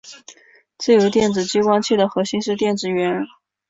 自由电子激光器的核心是电子源。